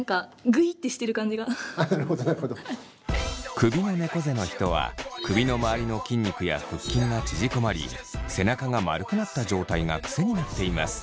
首のねこ背の人は首のまわりの筋肉や腹筋が縮こまり背中が丸くなった状態が癖になっています。